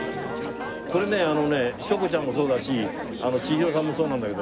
これねあのね翔子ちゃんもそうだしちひろさんもそうなんだけどね。